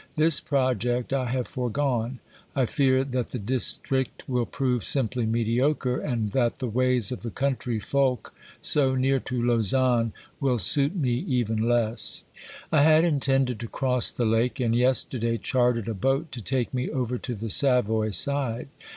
This project I have fore gone. I fear that the district will prove simply mediocre, and that the ways of the country folk, so near to Lausanne, will suit me even less. I had intended to cross the lake, and yesterday chartered a boat to take me over to the Savoy side.